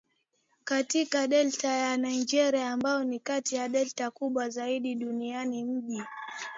katika delta ya Niger ambayo ni kati ya delta kubwa zaidi duniani Mji